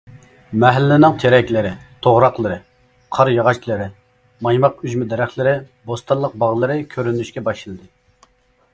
مەھەللىنىڭ تېرەكلىرى، توغراقلىرى، قار ياغاچلىرى، مايماق ئۈجمە دەرەخلىرى، بوستانلىق باغلىرى كۆرۈنۈشكە باشلىدى.